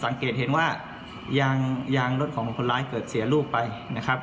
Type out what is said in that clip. สังเกตเห็นว่ายางยางรถของคนร้ายเกิดเสียลูกไปนะครับ